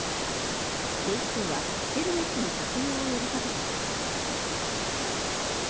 警視庁はヘルメットの着用を呼びかけています。